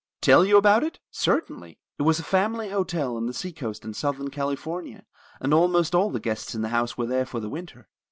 Tell you about it? Certainly. It was a family hotel on the seacoast in southern California, and almost all the guests in the house were there for the winter.